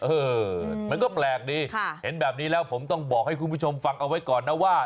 เออมันก็แปลกดีเห็นแบบนี้แล้วผมต้องบอกให้คุณผู้ชมฟังเอาไว้ก่อนนะว่า